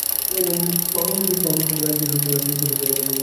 বানিয়াচং রাজ্যের প্রতিষ্ঠাতা কেশব একজন বণিক ছিলেন।